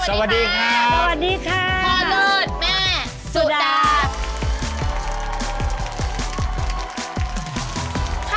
พ่อสวัสดีค่ะแม่สวัสดีค่ะพ่อเลิศแม่สุดาบสวัสดีค่ะ